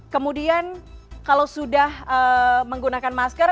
kemudian kalau sudah menggunakan masker